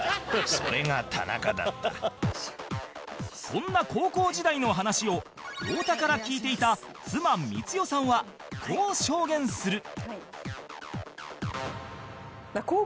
そんな高校時代の話を太田から聞いていた妻光代さんはこう証言する